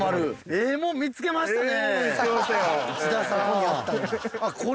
ええもん見つけましたよ。